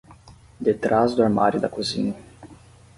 De trás do armário da cozinha.